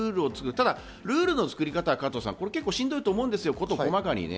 ただルールの作り方は結構しんどいと思うんですよ、事細かに。